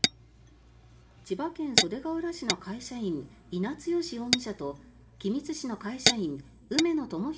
千葉県袖ケ浦市の会社員伊奈剛容疑者と君津市の会社員梅野智博